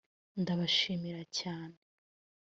ndabashimira cyane